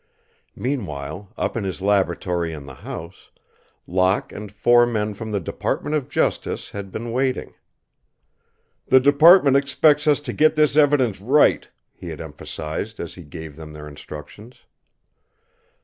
Meanwhile, up in his laboratory in the house, Locke and four men from the Department of Justice had been waiting. "The Department expects us to get this evidence right," he had emphasized as he gave them their instructions.